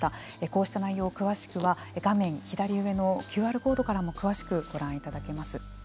こうした内容詳しくは画面左上のＱＲコードからも詳しくご覧いただけます。